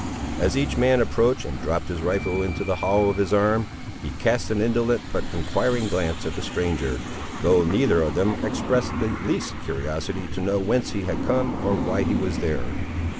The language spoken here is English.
As each man approached, and dropped his rifle into the hollow of his arm, he cast an indolent but enquiring glance at the stranger, though neither of them expressed the least curiosity to know whence he had come or why he was there.